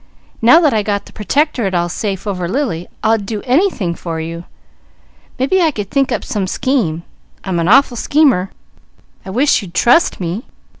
"Now that I got the Pertectorate all safe over Lily, I'd do anything for you. Maybe I could think up some scheme. I'm an awful schemer! I wish you'd trust me!